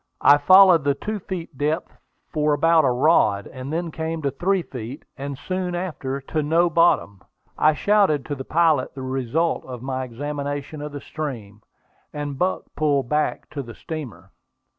I followed the two feet depth for about a rod, and then came to three feet, and soon after to "no bottom." I shouted to the pilot the result of my examination of the stream, and Buck pulled back to the steamer.